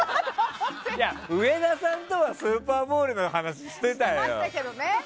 いや、上田さんとはスーパーボウルの話をしてたよ！